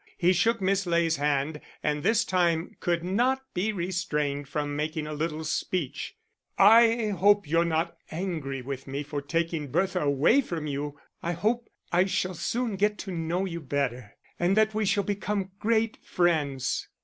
He shook Miss Ley's hand, and this time could not be restrained from making a little speech. "I hope you're not angry with me for taking Bertha away from you. I hope I shall soon get to know you better, and that we shall become great friends."